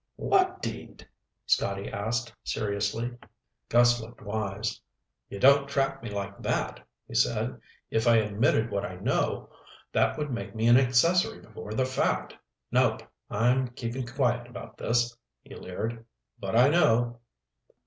"What deed?" Scotty asked seriously. Gus looked wise. "You don't trap me like that," he said. "If I admitted what I know, that would make me an accessory before the fact. Nope, I'm keeping quiet about this." He leered. "But I know!"